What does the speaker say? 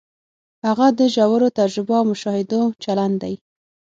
هغه د ژورو تجربو او مشاهدو چلن دی.